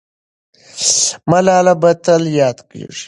ملاله به تل یاده کېږي.